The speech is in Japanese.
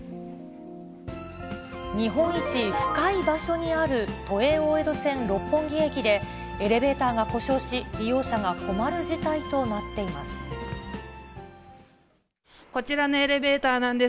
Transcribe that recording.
日本一深い場所にある都営大江戸線六本木駅で、エレベーターが故障し、利用者が困る事態となっています。